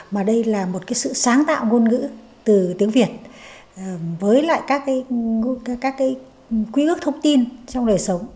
mà đây là một cái sự sáng tạo ngôn ngữ từ tiếng việt với lại các cái quy ước thông tin trong đời sống